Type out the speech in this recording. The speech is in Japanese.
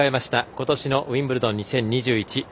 ことしのウィンブルドン２０２１。